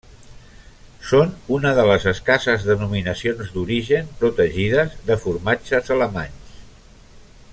Són una de les escasses denominacions d'origen protegides de formatges alemanys.